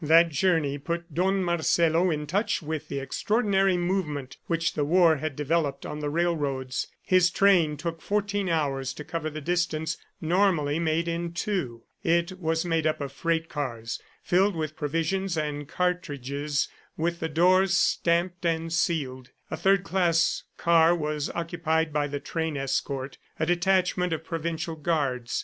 That journey put Don Marcelo in touch with the extraordinary movement which the war had developed on the railroads. His train took fourteen hours to cover the distance normally made in two. It was made up of freight cars filled with provisions and cartridges, with the doors stamped and sealed. A third class car was occupied by the train escort, a detachment of provincial guards.